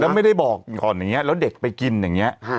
แล้วไม่ได้บอกก่อนอย่างนี้แล้วเด็กไปกินอย่างนี้